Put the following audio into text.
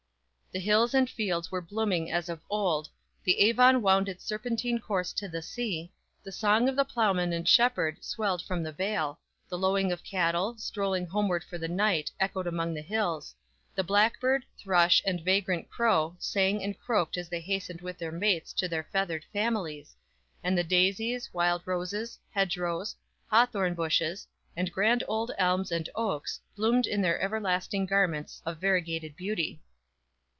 The hills and fields were blooming as of old, the Avon wound its serpentine course to the sea, the song of the ploughman and shepherd swelled from the vale, the lowing of cattle, strolling homeward for the night echoed among the hills, the blackbird, thrush and vagrant crow sang and croaked as they hastened with their mates to their feathered families, and the daisies, wild roses, hedge rows, hawthorn bushes, and grand old elms and oaks bloomed in their everlasting garments of variegated beauty.